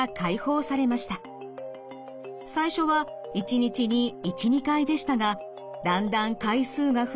最初は一日に１２回でしたがだんだん回数が増え